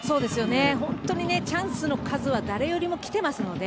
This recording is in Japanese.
本当にチャンスの数は誰よりも来てますので。